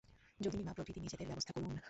যোগীন-মা প্রভৃতি নিজেদের ব্যবস্থা করুন।